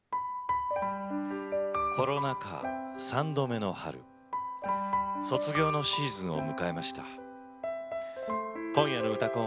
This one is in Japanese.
コロナ禍３度目の春卒業のシーズンを迎えました。